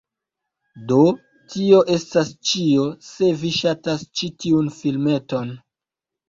Do tio estas ĉio, se vi ŝatas ĉi tiun filmeton